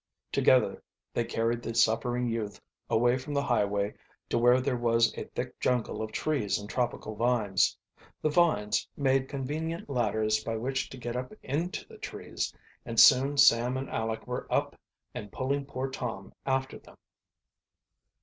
Together they carried the suffering youth away from the highway to where there was a thick jungle of trees and tropical vines. The vines, made convenient ladders by which to get up into the trees, and soon Sam and Aleck were up and pulling poor Tom after them.